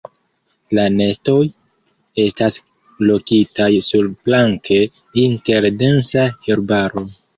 La nestoj estas lokitaj surplanke inter densa herbaro.